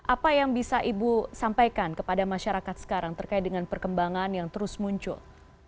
apa yang bisa ibu sampaikan kepada masyarakat sekarang terkait dengan perkembangan yang terus muncul